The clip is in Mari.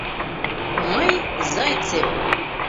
— Мый, Зайцев!